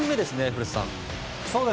古田さん。